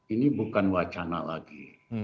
ini bukan wacana lagi